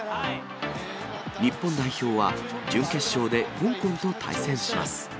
日本代表は、準決勝で香港と対戦します。